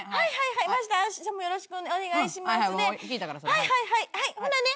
はいはいはいはいほなね